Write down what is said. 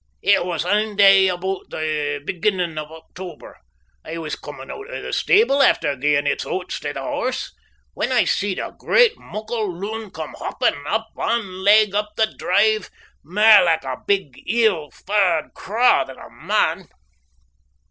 It was ane day aboot the beginning of October, I was comin' oot o' the stable, after giein' its oats tae the horse, when I seed a great muckle loon come hoppin' on ane leg up the drive, mair like a big, ill faured craw than a man.